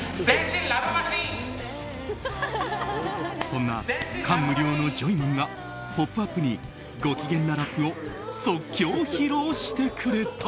そんな感無量のジョイマンが「ポップＵＰ！」にご機嫌なラップを即興披露してくれた。